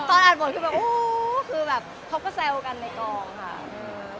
คือแบบโอ้ขือแบบเค้าก็เซลกันในกล่องค่ะเออ